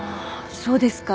そうですか。